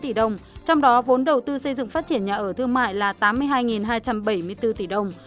trong đó vốn đầu tư xây dựng phát triển nhà ở thương mại là tám mươi hai hai trăm bảy mươi bốn tỷ đồng